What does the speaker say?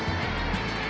jangan makan aku